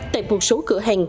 tại một số cửa hàng